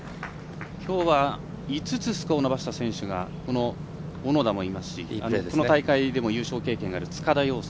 きょうは、５つスコアを伸ばした選手がこの小野田もいますしこの大会でも優勝経験のある塚田陽亮。